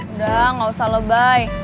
udah gak usah lebay